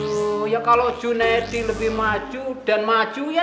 aduh ya kalau juna edy lebih maju dan maju ya